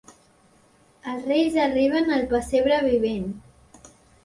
Els reis arriben al Pessebre Vivent.